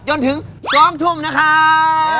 จนถึง๒ทุ่มนะครับ